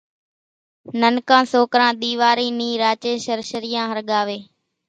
ننڪان سوڪران ۮيوارِي نِي راچين شرشريان ۿرڳاوي